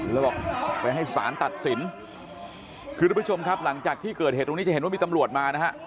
แล้วบอกไปให้สารตัดสินคือทุกผู้ชมครับหลังจากที่เกิดเหตุตรงนี้จะเห็นว่ามีตำรวจมานะฮะ